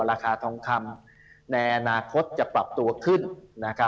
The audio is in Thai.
ราคาทองคำในอนาคตจะปรับตัวขึ้น